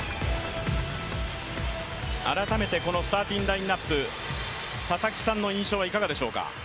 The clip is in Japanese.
改めてスターティングラインナップ印象はいかがでしょうか？